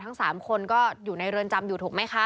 ทั้ง๓คนก็อยู่ในเรือนจำอยู่ถูกไหมคะ